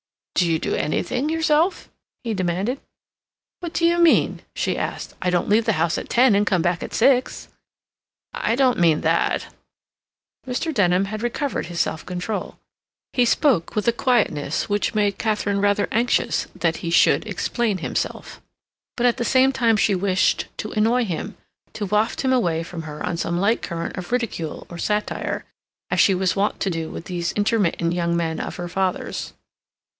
"Do you do anything yourself?" he demanded. "What do you mean?" she asked. "I don't leave the house at ten and come back at six." "I don't mean that." Mr. Denham had recovered his self control; he spoke with a quietness which made Katharine rather anxious that he should explain himself, but at the same time she wished to annoy him, to waft him away from her on some light current of ridicule or satire, as she was wont to do with these intermittent young men of her father's.